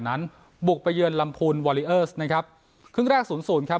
นั้นบุกไปเยือนลำพูนนะครับครึ่งแรกศูนย์ศูนย์ครับ